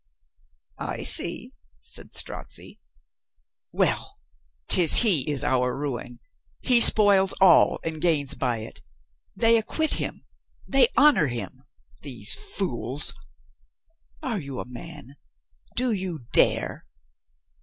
"I see," said Strozzi. THE LAST INSPIRATION 449 "Well! 'Tis he is our ruin. He spoils all and gains by it. They acquit him; they honor him; these fools. Are you a man? Do you dare?"